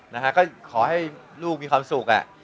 นะฮะก็ขอให้ลูกมีความสุขอ่ะ